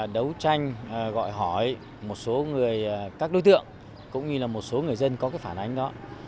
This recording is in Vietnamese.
đấu tranh gọi hỏi một số người các đối tượng cũng như là một số người dân có cái phản ánh đó